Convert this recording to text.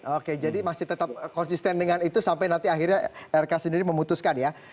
oke jadi masih tetap konsisten dengan itu sampai nanti akhirnya rk sendiri memutuskan ya